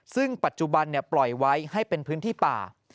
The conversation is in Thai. ซึ่งปัจจุบันปล่อยไว้ให้เป็นพื้นที่ป่า